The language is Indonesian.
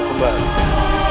kita bertemu kembali